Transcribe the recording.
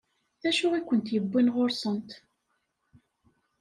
D acu i kent-yewwin ɣur-sent?